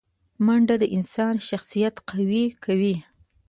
منډه د انسان شخصیت قوي کوي